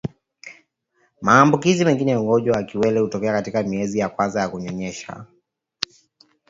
Maambukizi mengi ya ugonjwa wa kiwele hutokea katika miezi ya kwanza ya kunyonyesha